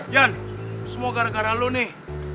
yan semua gara gara lo nih